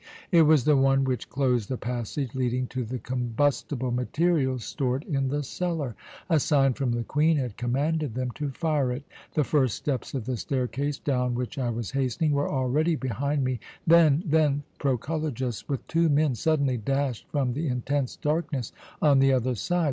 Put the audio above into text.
It was the one which closed the passage leading to the combustible materials stored in the cellar. A sign from the Queen had commanded them to fire it. The first steps of the staircase, down which I was hastening, were already behind me then then Proculejus, with two men, suddenly dashed from the intense darkness on the other side.